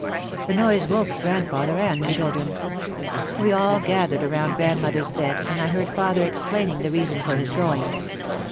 The noise woke grandfather and the children. We all gathered around grandmother's bed, and I heard father explaining the reason for his going.